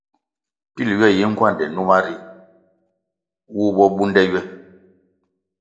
Pil ywe yi ngwande numa ri, wu bo bunde ywe.